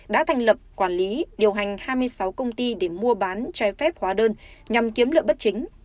đã thành lập quản lý điều hành hai mươi sáu công ty để mua bán trái phép hóa đơn nhằm kiếm lợi bất chính